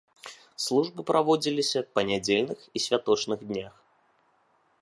Службы праводзіліся па нядзельных і святочных днях.